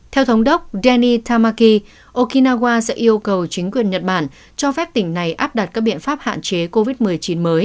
theo thống đốc deni tamaki okinawa sẽ yêu cầu chính quyền nhật bản cho phép tỉnh này áp đặt các biện pháp hạn chế covid một mươi chín mới